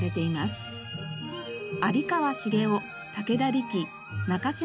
有川滋男武田力中島